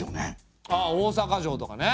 ああ大坂城とかね。